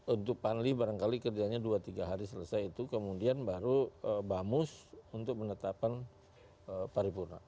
untuk panlitia barangkali kerjanya dua tiga hari selesai itu kemudian baru bamus untuk penetapan pari purna